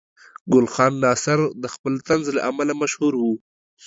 ګل خان ناصر د خپل طنز له امله مشهور و.